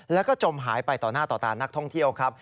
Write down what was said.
แล้วก็จมหายไปต่อหน้าต่อตานักท่องเที่ยวครับ